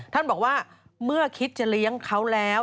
ท่านบอกว่าเมื่อคิดจะเลี้ยงเขาแล้ว